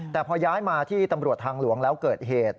แต่พอย้ายมาที่ตำรวจทางหลวงแล้วเกิดเหตุ